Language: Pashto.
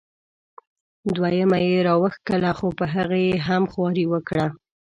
دویمه یې را وښکله خو په هغې یې هم خواري وکړه.